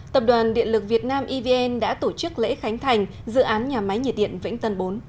tập đoàn điện lực việt nam evn đã tổ chức lễ khánh thành dự án nhà máy nhiệt điện vĩnh tân bốn